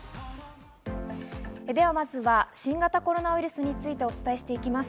まずは新型コロナウイルスについてお伝えします。